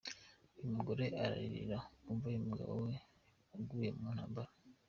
Uyu mugore araririra ku mva y'umugabo we waguye mu ntambara.